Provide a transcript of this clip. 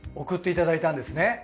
送っていただいたんですね？